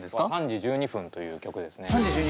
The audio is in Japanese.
「３時１２分」という曲ですね。